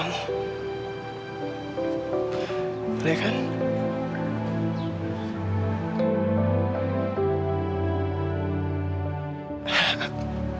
aku mau memakaikan cincin ini lagi ke jari manis kamu